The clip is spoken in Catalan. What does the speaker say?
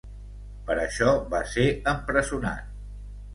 Per això va ser empresonat.